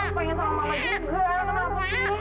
emang luar muruan cantik ketemu sama papa